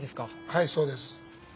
はいそうです。